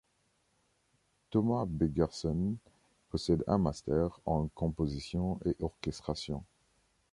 Thomas Begersen possède un master en composition et orchestration.